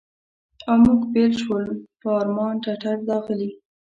له موږ بېل شول په ارمان ټټر داغلي.